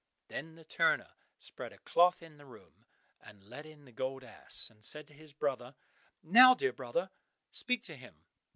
Then the turner spread a cloth in the room and led in the gold ass, and said to his brother, "Now, dear brother, speak to him."